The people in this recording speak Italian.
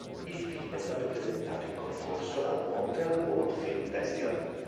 Il film è stato presentato in concorso al Montreal World Film Festival.